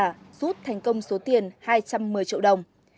rút thành công số tiền hai trăm một mươi triệu đồng